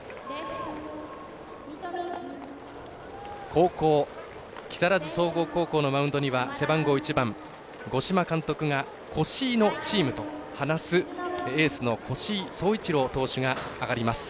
後攻、木更津総合のマウンドには背番号１番、五島監督が越井のチームと話すエースの越井颯一郎投手が上がります。